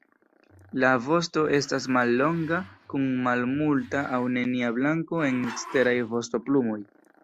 La vosto estas mallonga kun malmulta aŭ nenia blanko en eksteraj vostoplumoj.